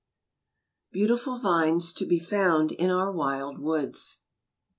BEAUTIFUL VINES TO BE FOUND IN OUR WILD WOODS.